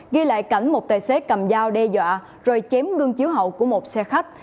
ghi lại cảnh một tài xế cầm dao đe dọa rồi chém ngưng chiếu hậu của một xe khách